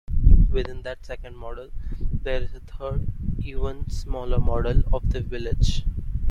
Within that second model there is a third, even smaller model of the village.